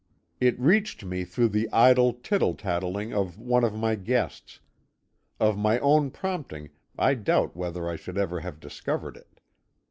It reached me through the idle tittle tattling of one of my guests; of my own prompting I doubt whether I should ever have discovered it.